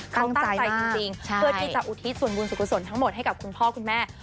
เขาตั้งใจจริงเพื่อที่จะอุทิศส่วนบุญสุขุศลทั้งหมดให้กับคุณพ่อคุณแม่